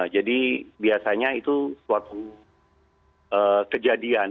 jadi biasanya itu suatu kejadian